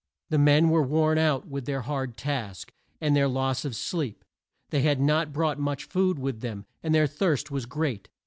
The men were worn out with their hard task, and their loss of sleep. They had not brought much food with them, and their thirst was great.